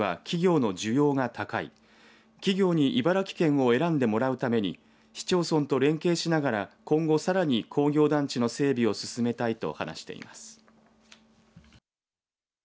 企業に茨城県を選んでもらうために市町村と連携しながら今後さらに工業団地の整備を進めたいと話しています。